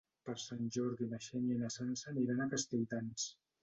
Per Sant Jordi na Xènia i na Sança aniran a Castelldans.